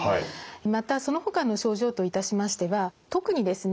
またそのほかの症状といたしましては特にですね